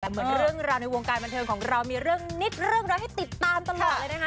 แต่เหมือนเรื่องราวในวงการบันเทิงของเรามีเรื่องนิดเรื่องน้อยให้ติดตามตลอดเลยนะคะ